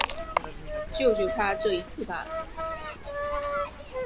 救救他这一次吧